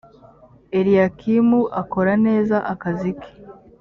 eliyakimu akora neza akazike.